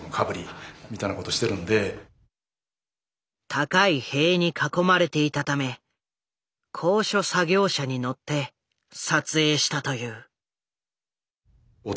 高い塀に囲まれていたため高所作業車に乗って撮影したという。